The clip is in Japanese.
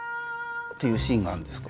っていうシーンがあるんですか？